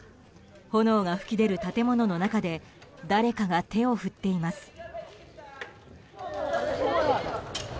炎が噴き出る建物の中で誰かが手を振っています。